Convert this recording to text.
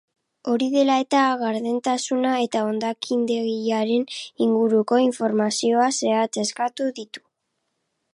Hori dela eta, gardentasuna eta hondakindegiaren inguruko informazio zehatza eskatu ditu.